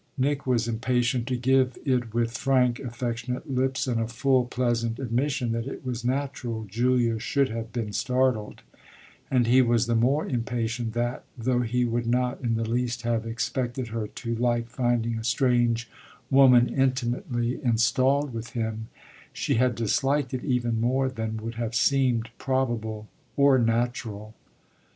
Nick was impatient to give it with frank, affectionate lips and a full, pleasant admission that it was natural Julia should have been startled; and he was the more impatient that, though he would not in the least have expected her to like finding a strange woman intimately installed with him, she had disliked it even more than would have seemed probable or natural.